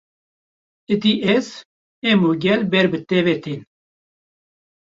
Êdî ez, em û gel ber bi te ve tên